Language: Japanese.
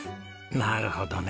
なるほどね。